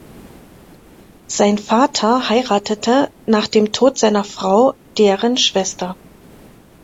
Sein Vater heiratete nach dem Tod seiner Frau deren Schwester.